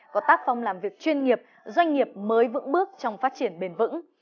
có tác phong làm việc chuyên nghiệp doanh nghiệp mới vững bước trong phát triển bền vững